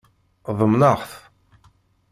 Ḍemneɣ-t.